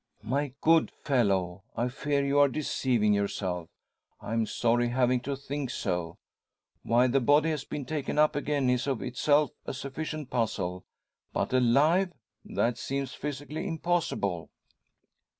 "My good fellow, I fear you are deceiving yourself. I'm sorry having to think so. Why the body has been taken up again is of itself a sufficient puzzle; but alive that seems physically impossible!"